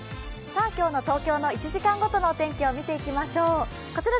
今日の東京の１時間ごとのお天気を見ていきましょう。